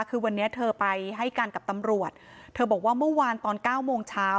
คือวันนี้เธอไปให้การกับตำรวจเธอบอกว่าเมื่อวานตอนเก้าโมงเช้า